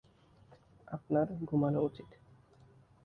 আপনার ঘুমানো উচিৎ।